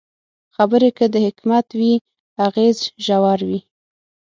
خبرې که د حکمت وي، اغېز ژور وي